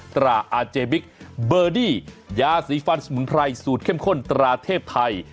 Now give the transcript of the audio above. ตราอาเจบิ๊กเบอร์ดี้ยาสีฟันสมุนไพรสูตรเข้มข้นตราเทพไทย